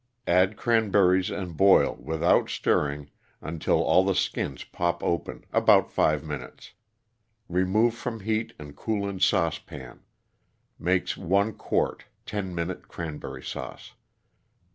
Add cranberries and boil, without stirring, until all the skins pop open about 5 minutes. Remove from heat and cool in saucepan. Makes one quart 10 Minute Cranberry Sauce.